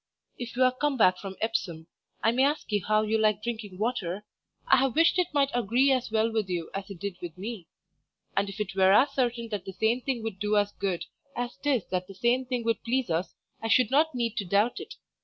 If you are come back from Epsom, I may ask you how you like drinking water? I have wished it might agree as well with you as it did with me; and if it were as certain that the same thing would do us good as 'tis that the same thing would please us, I should not need to doubt it.